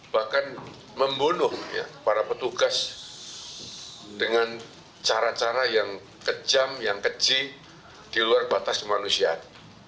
bahkan membunuh para petugas dengan cara cara yang kejam yang keji di luar batas kemanusiaan